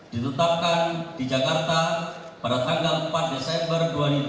ditetapkan di jakarta pada tanggal empat desember dua ribu dua puluh